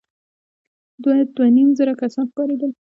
دوه ، دوه نيم زره کسان ښکارېدل.